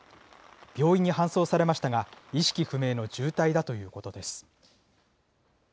病院に搬送されましたが、意識不明の重体だということです。